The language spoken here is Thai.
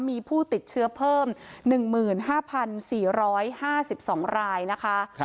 มีผู้ติดเชื้อเพิ่ม๑๕๔๕๒รายนะคะ